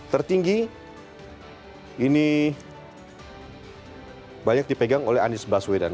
tertinggi ini banyak dipegang oleh anies baswedan